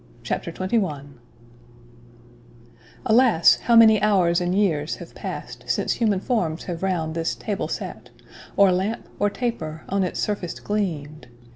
CHAPTER XXI Alas, how many hours and years have past, Since human forms have round this table sate, Or lamp, or taper, on its surface gleam'd!